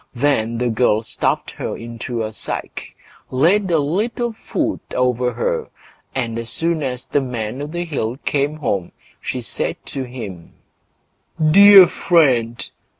Then the girl stuffed her into a sack, laid a little food over her, and as soon as the Man o' the Hill came home, she said to him: "Dear friend!